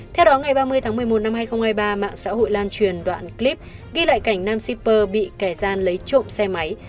theo đó ngày ba mươi tháng một mươi một năm hai nghìn hai mươi ba mạng xã hội lan truyền đoạn clip ghi lại cảnh nam shipper bị kẻ gian lấy trộm xe máy